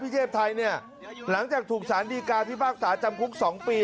เทพไทยเนี่ยหลังจากถูกสารดีการพิพากษาจำคุก๒ปี